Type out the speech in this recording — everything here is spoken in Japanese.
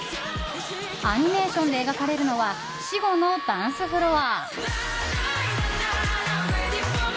アニメーションで描かれるのは死後のダンスフロア。